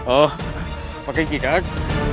oh pakai jidat